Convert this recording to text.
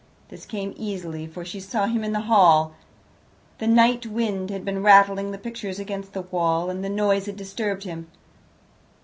This came easily, for she saw him in the hall. The night wind had been rattling the pictures against the wall, and the noise had disturbed him.